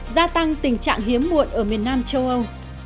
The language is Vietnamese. gia tăng tình trạng hiếm muộn ở miền nam châu âu